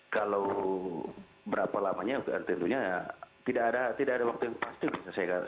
kalau berapa lamanya tentunya tidak ada waktu yang pasti bisa